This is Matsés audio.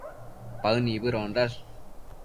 Paë nibëdondash